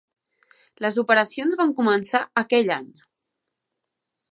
Les operacions van començar aquell any.